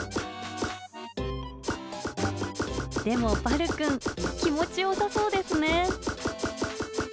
でもバルくん、気持ちよさそうですね。